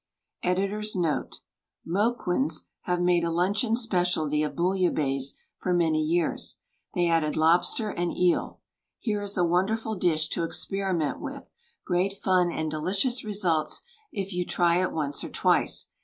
Editor's Note :— Moquin's have made a luncheon specialty of Bouillabaisse for many years. They add lobster and eel. Here is a wonderful dish to experiment with— great fun and delicious results if you try it once or twice.